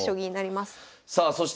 さあそして